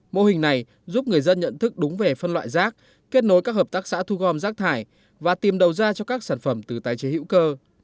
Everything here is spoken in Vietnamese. mô hình này giúp người dân nhận thức đúng về phân loại rác kết nối các hợp tác xã thu gom rác thải và tìm đầu ra cho các sản phẩm từ tái chế hữu cơ